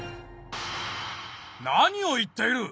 何を言っている！